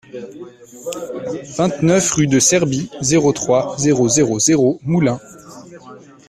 vingt-neuf rue de Serbie, zéro trois, zéro zéro zéro, Moulins